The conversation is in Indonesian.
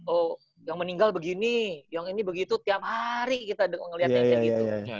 oh yang meninggal begini yang ini begitu tiap hari kita ngeliatnya kayak gitu